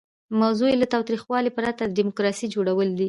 موضوع یې له تاوتریخوالي پرته د ډیموکراسۍ جوړول دي.